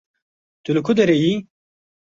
Tu li ku derê yî?